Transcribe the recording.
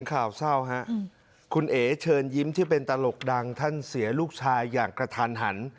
ข่าวเศร้าฮะคุณเอ๋เชิญยิ้มที่เป็นตลกดังท่านเสียลูกชายอย่างกระทันหัน